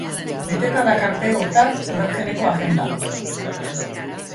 Beteta dakarte, hortaz, udazkeneko agenda.